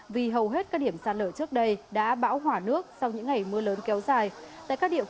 vì hầu hết các điểm xả lở trước đây đã bão hỏa nước sau những ngày mưa lớn kéo dài